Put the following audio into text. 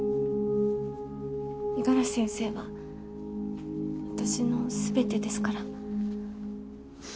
五十嵐先生は私の全てですから。